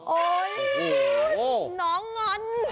โอ้ยน้องงน